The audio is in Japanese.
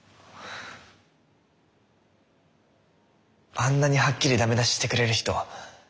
あんなにはっきりダメ出ししてくれる人